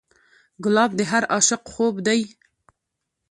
ګلاب د هر عاشق خوب دی.